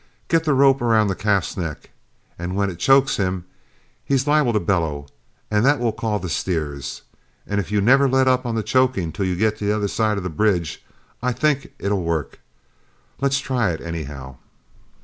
Get the rope around the calf's neck, and when it chokes him, he's liable to bellow, and that will call the steers. And if you never let up on the choking till you get on the other side of the bridge, I think it'll work. Let's try it, anyhow."